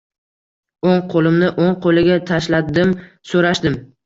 O‘ng qo‘limni o‘ng qo‘liga tashladim, so‘rashdim